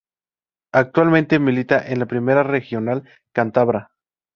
Actualmente milita en la Primera Regional cántabra.